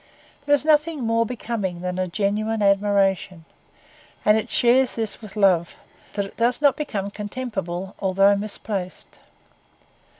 There is nothing more becoming than a genuine admiration; and it shares this with love, that it does not become contemptible although misplaced.